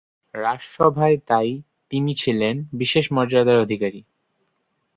রাজসভায় তাই তিনি ছিলেন বিশেষ মর্যাদার অধিকারী।